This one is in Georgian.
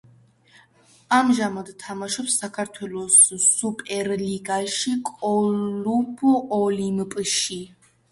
ამჟამად თამაშობს საქართველოს სუპერლიგაში კლუბ ოლიმპში.